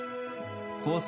コース